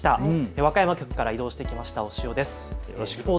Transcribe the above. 和歌山局から異動してきました押尾です。